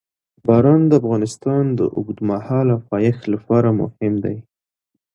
باران د افغانستان د اوږدمهاله پایښت لپاره مهم دی.